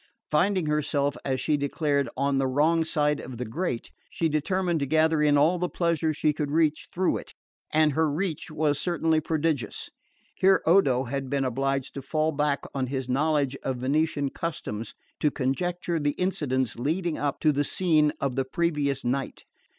Finding herself, as she declared, on the wrong side of the grate, she determined to gather in all the pleasures she could reach through it; and her reach was certainly prodigious. Here Odo had been obliged to fall back on his knowledge of Venetian customs to conjecture the incidents leading up to the scene of the previous night.